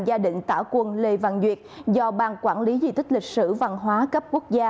gia đình tả quân lê văn duyệt do ban quản lý di tích lịch sử văn hóa cấp quốc gia